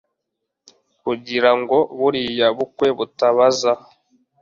kugira ngo buriya bukwe butabaza